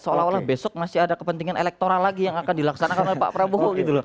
seolah olah besok masih ada kepentingan elektoral lagi yang akan dilaksanakan oleh pak prabowo gitu loh